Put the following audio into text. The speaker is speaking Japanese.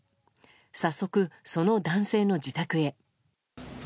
早速、その男性の自宅へ。